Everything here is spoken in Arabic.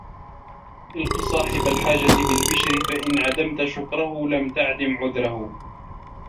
إلْقِ صَاحِبَ الْحَاجَةِ بِالْبِشْرِ فَإِنْ عَدَمْتَ شُكْرَهُ لَمْ تَعْدَمْ عُذْرَهُ